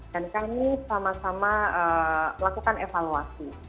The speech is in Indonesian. dan kami sama sama melakukan evaluasi